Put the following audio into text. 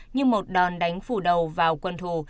như một đòn đánh phủ đầu vào quân thù